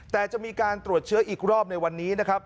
แต่จะมีการตรวจเชื้ออีกรอบในวันนี้นะครับ